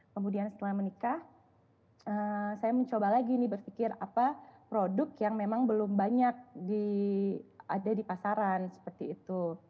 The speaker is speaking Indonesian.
kemudian setelah menikah saya mencoba lagi nih berpikir apa produk yang memang belum banyak ada di pasaran seperti itu